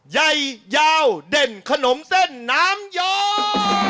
ไยยาวเด่นขนมเส้นน้ำย้อย